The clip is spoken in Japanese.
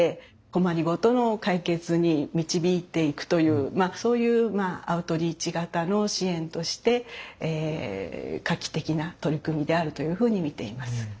困り事の解決に導いていくというそういうアウトリーチ型の支援として画期的な取り組みであるというふうに見ています。